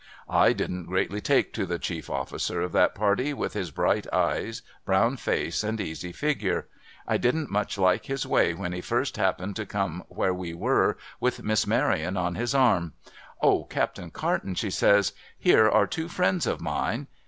I didn't greatly take to the chief officer of that party, with his bright eyes, brown face, and easy figure. I didn't much like his way when he first happened to come where we were, with Miss Maryon on his arm. ' O, Captain Carton,' she says, ' here are two friends of mine